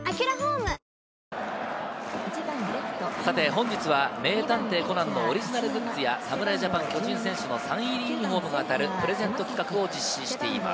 本日は『名探偵コナン』のオリジナルグッズや、侍ジャパン、巨人選手のサイン入りユニホームが当たるプレゼント企画を実施しています。